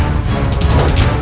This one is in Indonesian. aku harus menolongnya